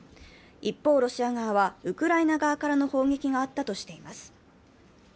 一方、ロシア側はウクライナ側からの攻撃があったとしています。